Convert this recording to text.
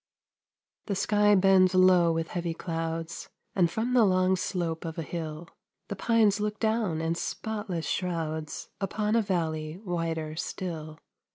The sky bends low with heavy clouds, And from the long slope of a hill, The pines look down in spotless shrouds Upon a valley whiter still.